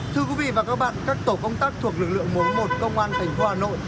thưa quý vị và các bạn các tổ công tác thuộc lực lượng mối một công an tp hà nội